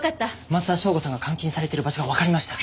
松田省吾さんが監禁されてる場所がわかりました。